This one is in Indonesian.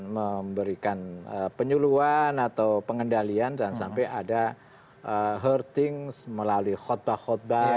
memberikan penyuluan atau pengendalian jangan sampai ada hearting melalui khutbah khutbah